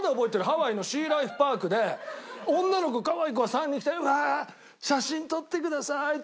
ハワイのシーライフ・パークで女の子可愛い子が３人来て「うわー！写真撮ってください」って言って。